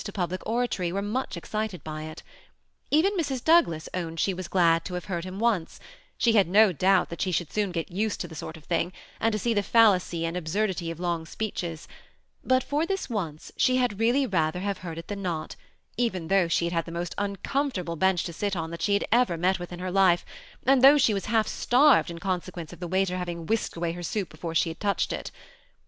to public oratory were very much excited by it Even Mrs. Douglas owned she was glad to have heard him once : she had no doubt that she should soon get used to the sort of thing, and see the fallacy and absurdity of long speeches ; but for this once she had really rather have heard it than not, even though she had had the most uncomfortable bench to sit on that she had ever met with in her life, and though she was half starved in consequence of the waiter having whisked away her soup before she had touched it.